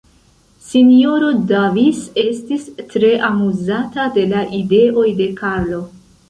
S-ro Davis estis tre amuzata de la ideoj de Karlo.